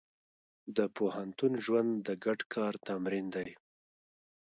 د پوهنتون ژوند د ګډ کار تمرین دی.